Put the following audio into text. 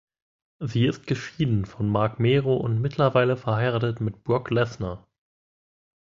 Sie ist geschieden von Marc Mero und mittlerweile verheiratet mit Brock Lesnar.